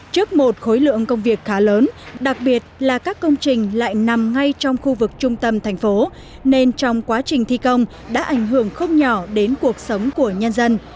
trước một khối lượng công việc khá lớn đặc biệt là các công trình lại nằm ngay trong khu vực trung tâm thành phố nên trong quá trình thi công đã ảnh hưởng không nhỏ đến cuộc sống của nhân dân